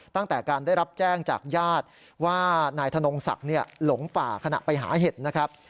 ตั้งแต่การได้รับแจ้งจากญาติว่านายธนงศักดิ์หลงป่าขณะไปหาเห็ดนะครับ